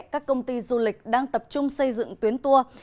các công ty du lịch đang tập trung xây dựng tuyến tour